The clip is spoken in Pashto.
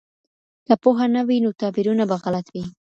که پوهه نه وي نو تعبیرونه به غلط وي.